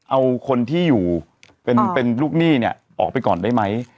เอาคนที่อยู่เป็นลูกหนี้เนี่ยออกไปก่อนได้ไหม